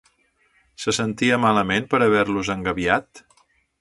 Se sentia malament per haver-los engabiat?